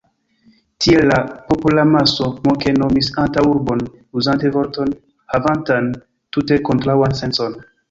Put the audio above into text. Tiel la popolamaso moke nomis antaŭurbon, uzante vorton, havantan tute kontraŭan sencon.